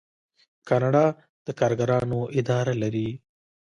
کاناډا د کارګرانو اداره لري.